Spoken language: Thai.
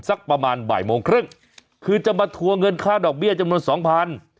สักประมาณบ่ายโมงครึ่งคือจะมาทัวร์เงินค่าดอกเบี้ยจำนวนสองพัน